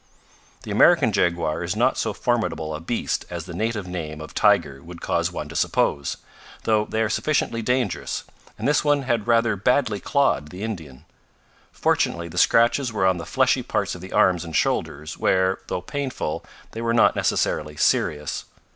The American jaguar is not so formidable a beast as the native name of tiger would cause one to suppose, though they are sufficiently dangerous, and this one had rather badly clawed the Indian. Fortunately the scratches were on the fleshy parts of the arms and shoulders, where, though painful, they were not necessarily serious.